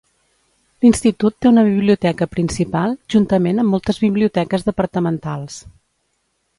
L'institut té una biblioteca principal juntament amb moltes biblioteques departamentals.